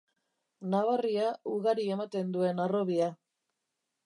Nabarria ugari ematen duen harrobia.